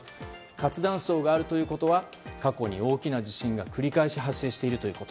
活断層があるということは過去に大きな地震が繰り返し発生しているということ。